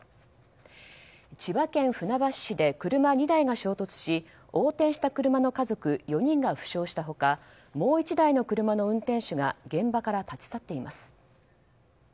千葉県船橋市で車２台が衝突し横転した車の家族４人が負傷した他もう１台の車の運転手が現場から立ち去っています。